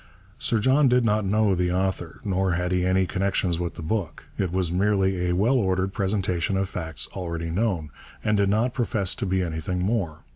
Sir John did not know the author, nor had he any connection with the book. It was merely a well ordered presentation of facts already known, and did not profess to be anything more.